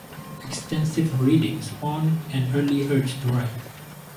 Extensive reading spawned an early urge to write.